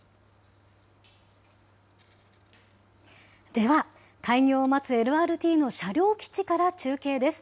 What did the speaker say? では、開業を待つＬＲＴの車両基地から中継です。